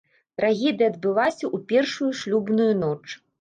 Трагедыя адбылася ў першую шлюбную ноч.